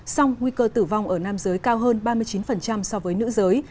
song nguy cơ tử vong ở nam giới cao hơn ba mươi chín so với nữ giới